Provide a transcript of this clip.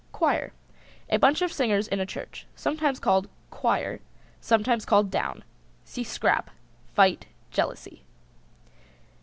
QUIRE. A bunch of singers in a church. Sometimes called Choir, sometimes called down. See Scrap, fight, jealousy.